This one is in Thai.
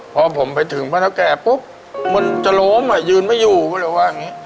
พอผมไปถึงบ้านเราแก่มันจะโหลมมันยืนไม่อยู่ก็เลยว่างี่